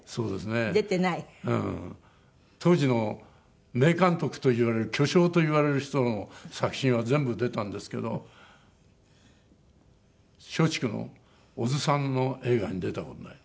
当時の名監督といわれる巨匠といわれる人の作品は全部出たんですけど松竹の小津さんの映画に出た事ない。